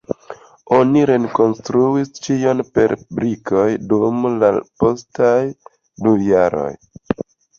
Oni rekonstruis ĉion per brikoj dum la postaj du jaroj.